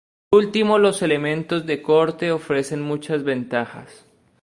Por último, los elementos de corte ofrecen muchas ventajas.